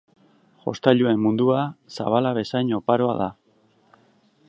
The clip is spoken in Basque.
Jostailuen mundua zabala bezain oparoa da.